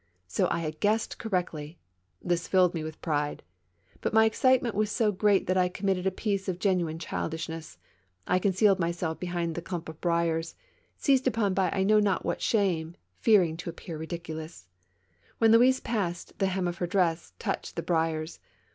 So I had guessed correctly. This filled me with pride. But my excitement was so great that I committed a piece of genuine childishness. I concealed myself behind the clump of briars, seized upon by I know not 46 THE MAISONS LAFFITTE BACES. ivliat shame, fearing to appear ridiculous. When Louise passed, the hem of her dress touched the briars.